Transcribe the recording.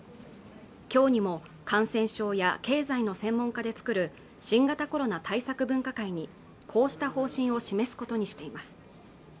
今日にも感染症や経済の専門家で作る新型コロナ対策分科会にこうした方針を示すことにしています